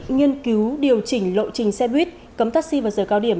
nghiên cứu điều chỉnh lộ trình xe buýt cấm taxi vào giờ cao điểm